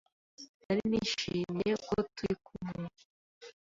Nari nishimiye ko turi kumwe